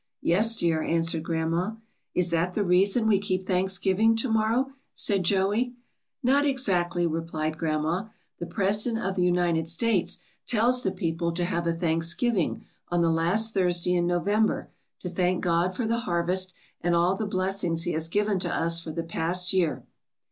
^^Yes, dear," answered grandma. 'Ts that the reason we keep Thanksgiving to morrow?" said Joey. ^^Not exactly," replied grandma; ^The President of the United States tells the people 78 GRANDMA'S THANKSGIVING STORY. to have a Thanksgiving on the last Thursday in November, to thank God for the harvest, and all the blessings He has given to us for the past year.